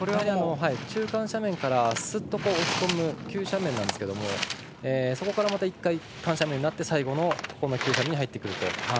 中間斜面からすっと落ち込む急斜面なんですけどそこから１回、緩斜面になって最後の急斜面に入ってくると。